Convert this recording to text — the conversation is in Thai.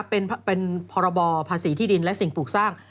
เป็นพรบภาษีที่ดินและสิ่งปลูกสร้าง